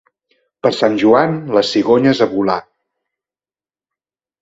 Per Sant Joan, les cigonyes a volar.